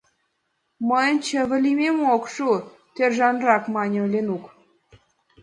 — Мыйын чыве лиймем ок шу, — торжанрак мане Ленук.